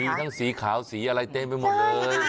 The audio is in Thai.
มีทั้งสีขาวสีอะไรเต็มไปหมดเลย